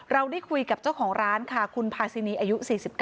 เราได้คุยกับเจ้าของร้านค่ะคุณพาซินีอายุ๔๙